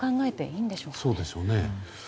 そうでしょうね。